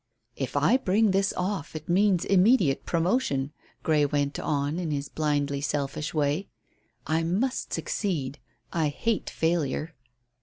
"If I bring this off it means immediate promotion," Grey went on, in his blindly selfish way. "I must succeed. I hate failure."